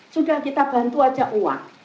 sudah kita bantu saja uang